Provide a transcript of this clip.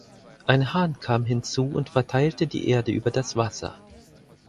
Ein Hahn kam hinzu und verteilte die Erde über das Wasser.